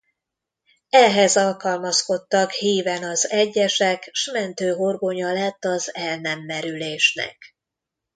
Ehhez alkalmazkodtak híven az egyesek s mentő horgonya lett az el nem merülésnek.